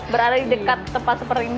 berada di dekat tempat seperti ini